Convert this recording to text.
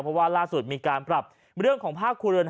เพราะว่าล่าสุดมีการปรับเรื่องของภาคครัวเรือน